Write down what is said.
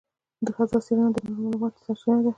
د فضاء څېړنه د نوو معلوماتو سرچینه ده.